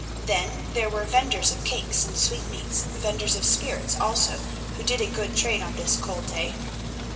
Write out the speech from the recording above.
Then there were vendors of cakes and sweetmeats, vendors of spirits also, who did a good trade on this cold day.